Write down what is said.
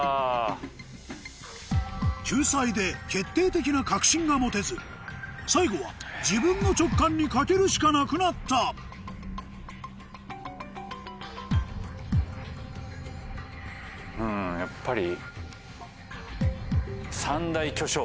救済で決定的な確信が持てず最後は自分の直感にかけるしかなくなったうんやっぱり。